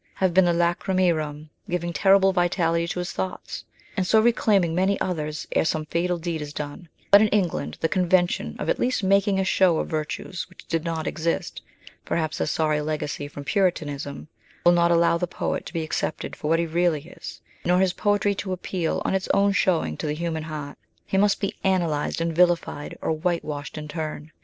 have been SHELLEY. 47 the lacryma rerum giving terrible vitality to his thoughts, and so reclaiming many others ere some fatal deed is done; but in England the convention of at least making a show of virtues which do not exist (perhaps a sorry legacy from Puritanism) will not allow the poet to be accepted for what he really is, nor his poetry to appeal, on its own showing, to the human heart. He must be analysed, and vilified, or whitewashed in turn.